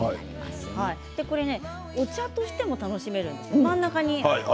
お茶としても楽しめるんです。